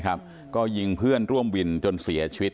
ก็ยิงเพื่อนร่วมวินจนเสียชีวิต